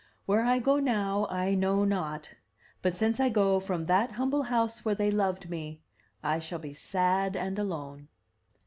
Where I go now I know not; but since I go from that humble house where they loved me, I shall be sad and alone.'